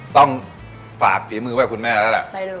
ต้องฝากฝีมือให้คุณแม่ละละ